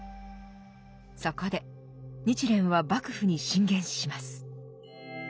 そこで日蓮は幕府に進言します。